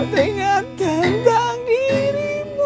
tengah tentang dirimu